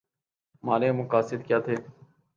ہمارے مقاصد کیا تھے؟